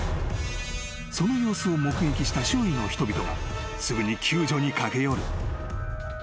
［その様子を目撃した周囲の人々がすぐに救助に駆け寄る］